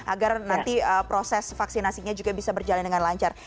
agar nanti proses vaksinasinya juga bisa berjalan dengan lancar